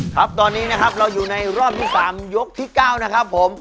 ครับตอนนี้นะครับเราอยู่ในรอบที่๓ยกที่๙นะครับผม